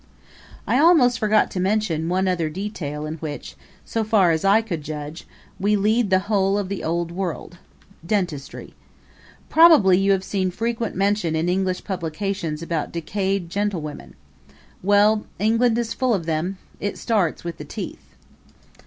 I almost forgot to mention one other detail in which, so far as I could judge, we lead the whole of the Old World dentistry. Probably you have seen frequent mention in English publications about decayed gentlewomen. Well, England is full of them. It starts with the teeth.